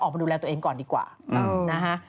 มาดูแลตัวเองก่อนดีกว่านะฮะ